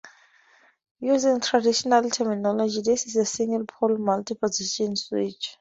Using traditional terminology, this is a single-pole, multi-position switch.